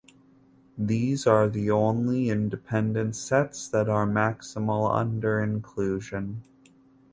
These are the only independent sets that are maximal under inclusion.